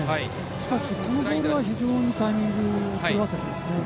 しかし、そのボールはタイミングを狂わせていますね。